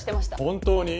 本当に？